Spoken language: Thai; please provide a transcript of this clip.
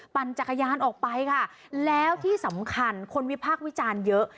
ปั่นจักรยานออกไปค่ะแล้วที่สำคัญคนวิพากษ์วิจารณ์เยอะ